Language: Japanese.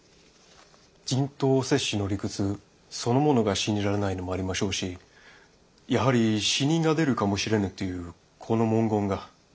人痘接種の理屈そのものが信じられないのもありましょうしやはり死人が出るかもしれぬというこの文言が。